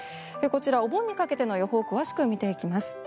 こちら、お盆にかけての予報を詳しく見ていきます。